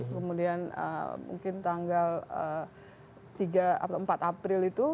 kemudian mungkin tanggal empat april itu